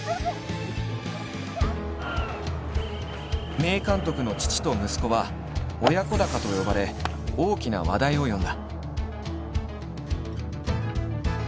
名監督の父と息子は「親子鷹」と呼ばれ大きな話題を呼んだ。